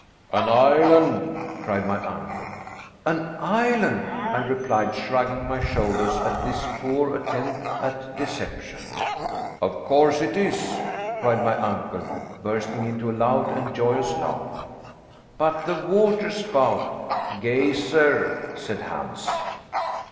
"An island!" cried my uncle. "An island?" I replied, shrugging my shoulders at this poor attempt at deception. "Of course it is," cried my uncle, bursting into a loud and joyous laugh. "But the waterspout?" "Geyser," said Hans.